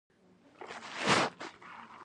هېڅ به پېښ نه شي؟ نه پوهېږم، یوازې دومره ویلای شم.